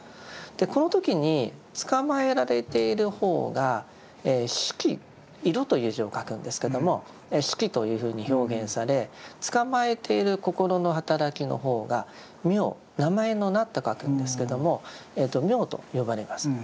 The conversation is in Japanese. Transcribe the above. この時につかまえられている方が「色」色という字を書くんですけども「色」というふうに表現されつかまえている心の働きの方が「名」名前の名と書くんですけども「名」と呼ばれます。